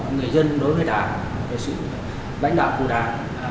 của người dân đối với đảng sự lãnh đạo của đảng